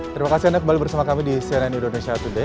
terima kasih anda kembali bersama kami di cnn indonesia today